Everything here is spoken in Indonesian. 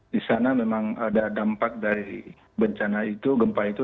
di sana memang ada dampak dari bencana itu gempa itu